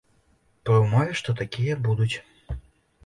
Пры ўмове, што такія будуць.